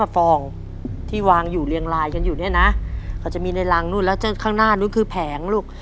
ฟองที่วางอยู่เรียงลายกันอยู่เนี่ยนะเขาจะมีในรังนู้นแล้วข้างหน้านู้นคือแผงลูก